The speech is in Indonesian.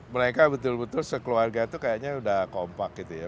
mereka betul betul sekeluarga itu kayaknya udah kompak gitu ya